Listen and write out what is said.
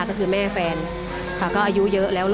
ก็คือแม่แฟนค่ะก็อายุเยอะแล้ว